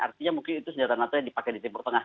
artinya mungkin itu senjata nato yang dipakai di timur tengah